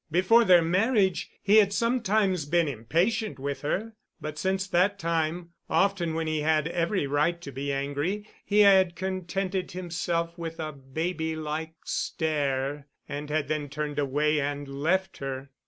Before their marriage he had sometimes been impatient with her—but since that time, often when he had every right to be angry, he had contented himself with a baby like stare and had then turned away and left her.